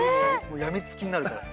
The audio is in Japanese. もう病みつきになるから。